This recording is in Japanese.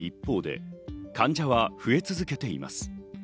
人手不足の一方で、患者は増え続けています。